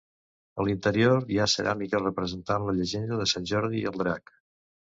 A l'interior hi ha ceràmiques representant la llegenda de Sant Jordi i el drac.